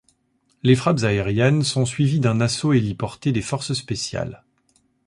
Les frappes aériennes sont suivies d'un assaut héliporté des forces spéciales.